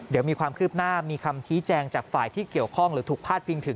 เดี๋ยวมีความคืบหน้ามีคำชี้แจงจากฝ่ายที่เกี่ยวข้องหรือถูกพาดพิงถึง